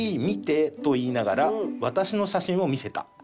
見て！」と言いながら私の写真を見せた。